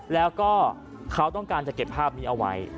แล้วก็เขาต้องการจะเก็บภาพนี้เอาไว้